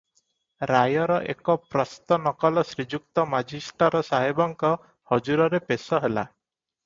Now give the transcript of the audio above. ରାୟର ଏକ ପ୍ରସ୍ତ ନକଲ ଶ୍ରୀଯୁକ୍ତ ମାଜିଷ୍ଟର ସାହେବଙ୍କ ହଜୁରରେ ପେଶ ହେଲା ।